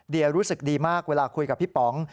รู้สึกดีมากเวลาคุยกับพี่ป๋อง